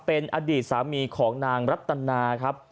เป็นอดีตสามีของนางรัตนาครับ